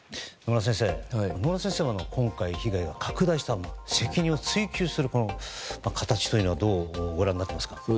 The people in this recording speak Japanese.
野村先生、今回被害が拡大したそれを追及する形というのはどうご覧になっていますか。